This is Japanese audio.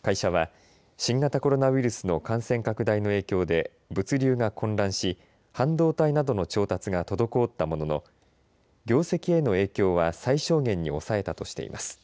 会社は新型コロナウイルスの感染拡大の影響で物流が混乱し半導体などの調達が滞ったものの業績への影響は最小限に抑えたとしています。